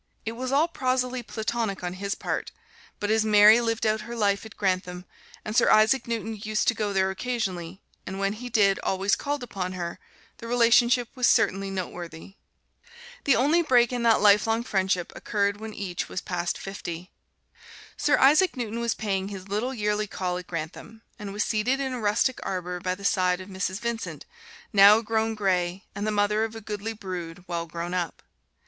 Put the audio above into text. It was all prosily Platonic on his part, but as Mary lived out her life at Grantham, and Sir Isaac Newton used to go there occasionally, and when he did, always called upon her, the relationship was certainly noteworthy. The only break in that lifelong friendship occurred when each was past fifty. Sir Isaac Newton was paying his little yearly call at Grantham; and was seated in a rustic arbor by the side of Mrs. Vincent, now grown gray, and the mother of a goodly brood, well grown up.